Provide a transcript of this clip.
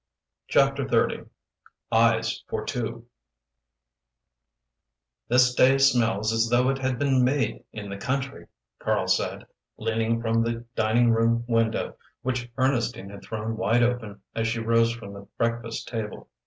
CHAPTER XXX EYES FOR TWO "This day smells as though it had been made in the country," Karl said, leaning from the dining room window which Ernestine had thrown wide open as she rose from the breakfast table.